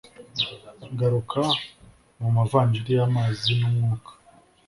GARUKA MU Mavanjiri YAMAZI NUMWUKA